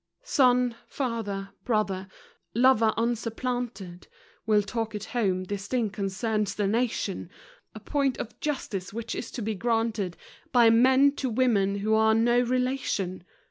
Son Father Brother Lover unsupplanted We'll talk at home. This thing concerns the nation; A point of justice which is to be granted By men to women who are no relation.